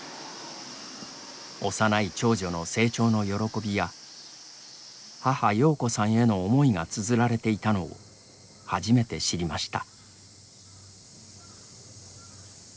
幼い長女の成長の喜びや母、洋子さんへの思いがつづられていたのを初めて知りました。